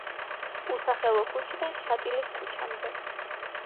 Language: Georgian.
უსახელო ქუჩიდან შატილის ქუჩამდე.